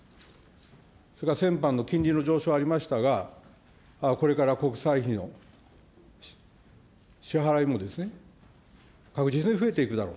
それから先般金利の上昇ありましたが、これから国債費の支払いもですね、確実に増えていくだろう。